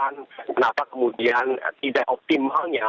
kenapa kemudian tidak optimalnya